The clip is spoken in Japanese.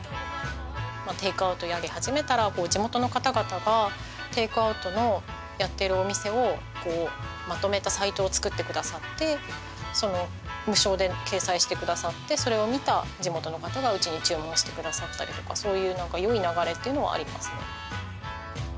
テイクアウトをやり始めたら地元の方々がテイクアウトのやっているお店をまとめたサイトを作ってくださって無償で掲載してくださってそれを見た地元の方がうちに注文してくださったりとかそういう何か良い流れっていうのはありますね。